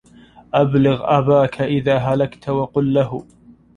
أبلغ أباك إذا هلكت وقل له